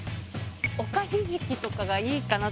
おかひじきとかが良いかな。